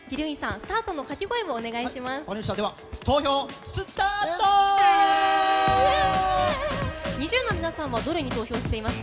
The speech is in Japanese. スタートの掛け声をお願いします。